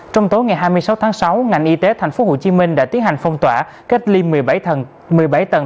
trong tối ngày hai mươi sáu tháng sáu ngành y tế tp hcm đã tiến hành phong tỏa kết ly một mươi bảy tầng